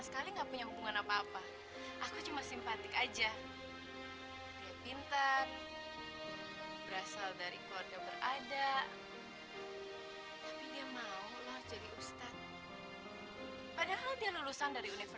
sampai jumpa di video selanjutnya